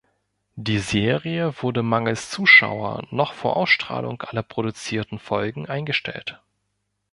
Die Serie wurde mangels Zuschauer noch vor Ausstrahlung aller produzierten Folgen eingestellt.